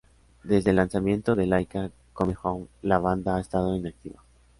Desde el lanzamiento de "Laika Come Home" la banda ha estado inactiva.